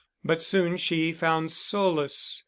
But soon she found solace.